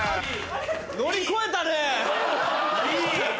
乗り越えたね！